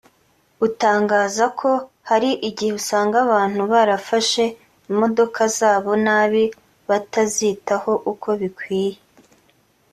utangaza ko hari igihe usanga abantu barafashe imodoka zabo nabi batazitaho uko bikwiye